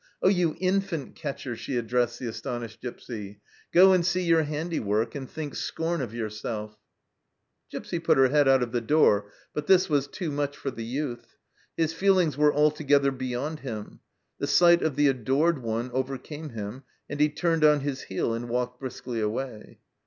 " Oh, you infant catcher," she addressed the astonished Gipsy, " go and see your handiwork, and think scorn of yourself !" Gipsy put her head out of the door, but this was too much for the youth. His feelings were alto gether beyond him ; the sight of the adored one overcame him, and he turned on his heel and walked briskly away.